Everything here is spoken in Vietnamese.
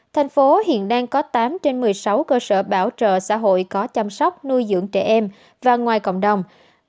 thành phố hiện đang có tám trên một mươi sáu cơ sở bảo trợ xã hội có chăm sóc nuôi dưỡng trẻ em và ngoài cộng đồng